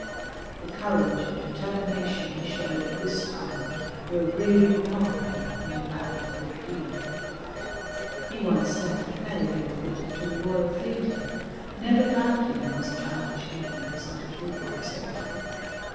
The courage and determination he showed at this time were really remarkable in a lad of fifteen. He once sent a play he had written to the Royal Theatre, never doubting in his childish ignorance that it would be accepted.